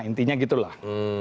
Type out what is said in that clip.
intinya gitu lah